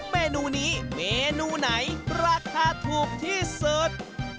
เมนูนี้เมนูไหนราคาถูกที่สุด